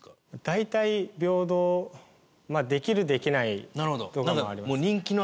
大体平等まあできるできないとかもあります。